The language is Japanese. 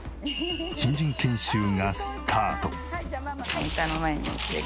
新人研修がスタート。